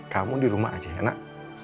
kamu di rumah aja ya nak